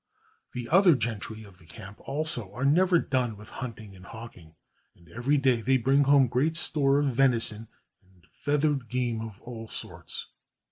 The other gentry of the camp also are never done with hunting and hawking, and every day they bring home great store of venison and feathered game of all sorts.